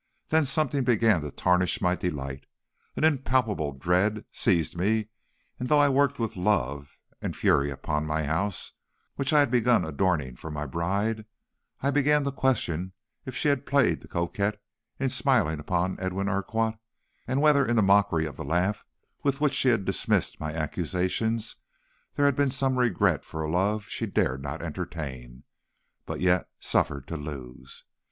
Then something began to tarnish my delight, an impalpable dread seized me, and though I worked with love and fury upon my house, which I had begun adorning for my bride, I began to question if she had played the coquette in smiling upon Edwin Urquhart, and whether in the mockery of the laugh with which she had dismissed my accusations there had not been some regret for a love she dared not entertain, but yet suffered to lose.